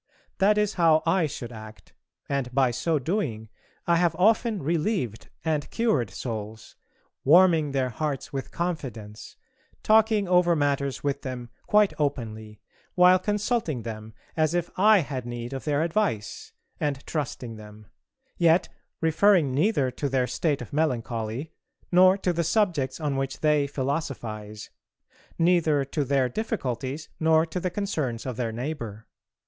That is how I should act, and by so doing I have often relieved and cured souls: warming their hearts with confidence, talking over matters with them quite openly, while consulting them as if I had need of their advice, and trusting them; yet referring neither to their state of melancholy, nor to the subjects on which they philosophize; neither to their difficulties nor to the concerns of their neighbour.